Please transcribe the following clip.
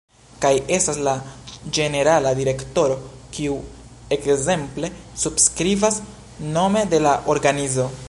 Kaj estas la ĝenerala direktoro kiu ekzemple subskribas nome de la organizo.